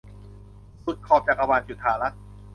สุดขอบจักรวาล - จุฑารัตน์